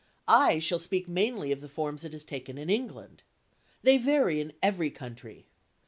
I shall speak mainly of the forms it has taken in England. They vary in every country.